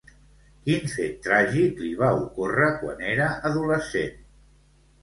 Quin fet tràgic li va ocórrer quan era adolescent?